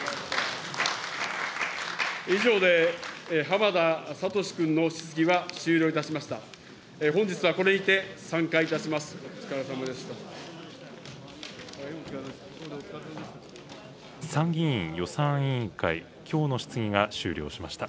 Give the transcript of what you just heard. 以上で浜田聡君の質疑は終了いたしました。